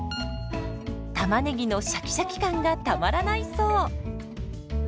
たまねぎのシャキシャキ感がたまらないそう。